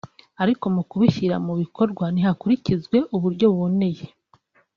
ariko mu kubishyira mu bikorwa ntihakurikizwe uburyo buboneye